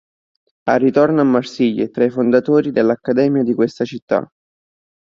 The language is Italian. Al ritorno a Marsiglia è tra i fondatori dell'Accademia di questa città.